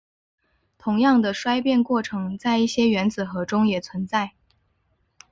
同样的衰变过程在一些原子核中也存在。